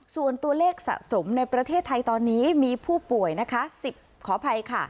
ส่วนตัวเลขสะสมในประเทศไทยตอนนี้มีผู้ป่วยนะคะ๑๐ขออภัยค่ะ